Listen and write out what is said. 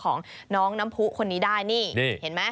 ของน้องน้ำผู้คนนี้ได้นี่เห็นไหม